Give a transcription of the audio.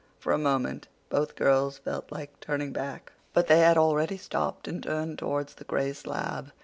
For a moment both girls felt like turning back. But they had already stopped and turned towards the gray slab.